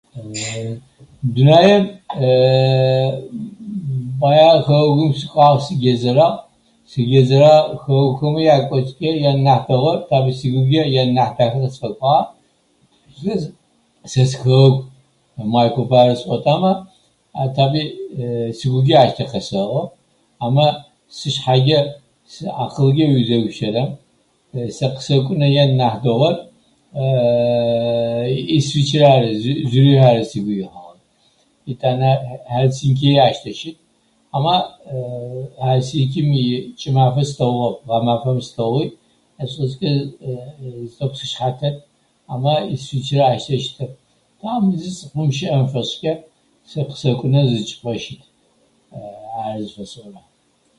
Дунаем бая хэгъэгум сыкӏуагъ, сыгэзэрагъ. Сыгэзэрагъэ хэгъэгухэмэ якӏоцӏкӏьэ янахь [unintelligible] таби сигугэ янахь дахэ къысфэкӏуагъ сэ сихэгъэгу Майкоп ары сыӏот ама а таби сигугэ ащтэ къэсэӏо. Ама сышъхьэгэ, акъылгэ узегупшысэрэм, сэ къысэкӏунэ янахь дэгъуэр Исвичрэ ары, Зюрихь ары сыгу ихьыгъэр. Хьитӏанэ Хьэлсинкии ащтэ щыт. Ама Хьэлсинким икӏымафэ сылъэгъугъэп, гъэмафэм сылъэгъуи ащ фэщкӏьэ тэкӏу сышъхьэтэп амэ Исвичрэ ащтэ щытэп. Там [unintelligible] фэщыкӏьэ сэ къысэкӏунэ зы кӏыпӏэ щыт. Ары зыфэсӏорэ.